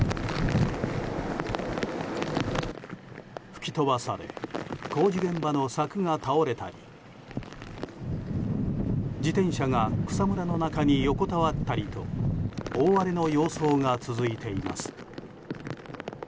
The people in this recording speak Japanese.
吹き飛ばされ工事現場の柵が倒れたり自転車が草むらの中に横たわったりと大荒れの様相が続いています。